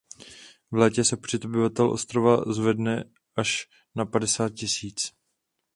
V létě se počet obyvatel ostrova zvedne až na padesát tisíc.